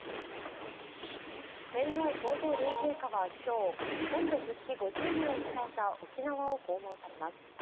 天皇皇后両陛下は今日、本土復帰５０年を迎えた沖縄を訪問されます。